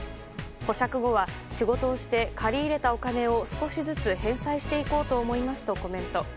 保釈後は仕事をして借り入れたお金を少しずつ返済していこうと思いますとコメント。